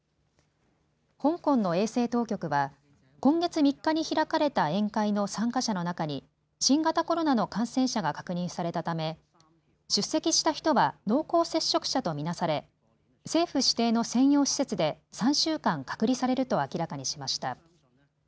香港の衛生当局は今月３日に開かれた宴会の参加者の中に新型コロナの感染者が確認されたため出席した人は濃厚接触者と見なされ政府指定の専用施設で３週間、隔離されると明らかにしました。